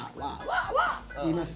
言います。